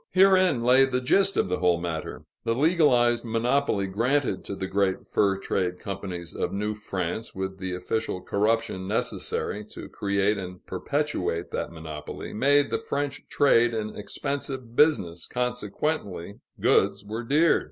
Herein lay the gist of the whole matter: The legalized monopoly granted to the great fur trade companies of New France, with the official corruption necessary to create and perpetuate that monopoly, made the French trade an expensive business, consequently goods were dear.